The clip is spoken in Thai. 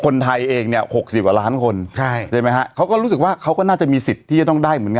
คนไทยเองเนี่ย๖๐ล้านคนเขาก็รู้สึกว่าเขาก็น่าจะมีสิทธิ์ที่ต้องได้เหมือนกัน